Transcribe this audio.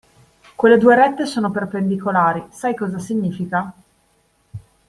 Quelle due rette sono perpendicolari, sai cosa significa?